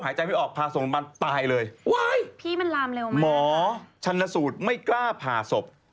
หมอชั่นสูตรไม่กล้าผ่าสบ